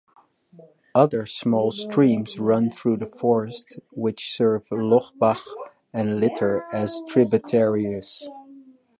Other small streams run through the forest, which serve Lochbach and Itter as tributaries.